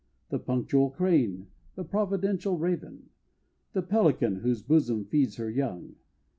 The punctual Crane the providential Raven? The Pelican whose bosom feeds her young?